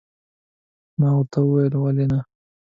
ما ورته وویل، ولې نه.